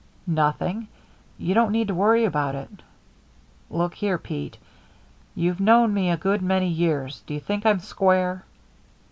"Nothing. You don't need to worry about it." "Look here, Pete. You've known me a good many years. Do you think I'm square?"